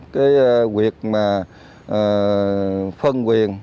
cái việc mà phân quyền